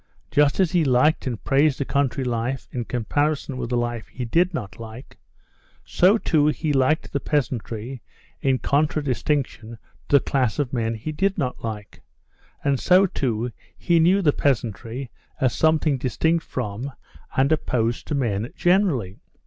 Just as he liked and praised a country life in comparison with the life he did not like, so too he liked the peasantry in contradistinction to the class of men he did not like, and so too he knew the peasantry as something distinct from and opposed to men generally.